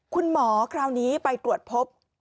คุณหมอคราวนี้ไปตรวจพบ